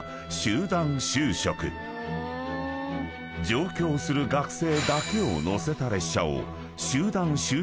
［上京する学生だけを乗せた列車を］